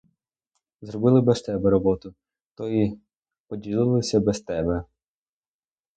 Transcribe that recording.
Зробили без тебе роботу, то і поділилися без тебе!